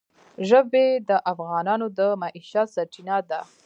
ژبې د افغانانو د معیشت سرچینه ده.